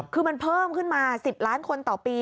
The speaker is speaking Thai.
คือมันเพิ่มขึ้นมา๑๐ล้านคนต่อปี